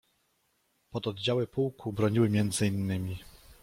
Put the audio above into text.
Pododdziały pułku broniły między innymi